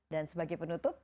dan sebagai penutup